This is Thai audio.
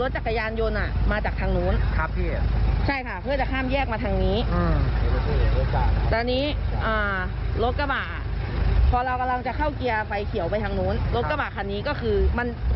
ใช่มั่นใจว่าแดงอันนี้มั่นใจว่าแดง